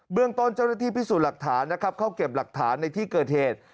เรื่องต้นเจ้าหน้าที่พิสูจน์หลักฐานนะครับเข้าเก็บหลักฐานในที่เกิดเหตุ